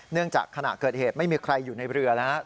เนื่องจากขณะเกิดเหตุไม่มีใครอยู่ในเรือนะฮะ